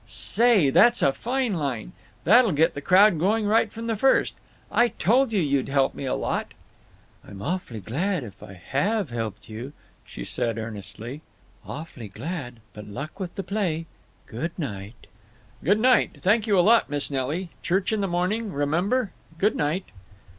'" "Sa a ay, that's a fine line! That'll get the crowd going right from the first…. I told you you'd help me a lot." "I'm awfully glad if I have helped you," she said, earnestly. Good night—and good, "awfully glad, but luck with the play. Good night." "Good night. Thank you a lot, Miss Nelly. Church in the morning, remember! Good night."